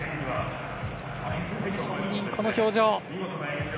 本人、この表情。